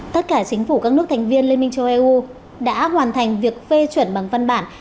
tất cả chính phủ các nước thành viên liên minh châu âu đã hoàn thành việc phê chuẩn bằng văn bản